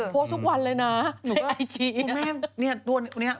โพสทุกวันเลยนะ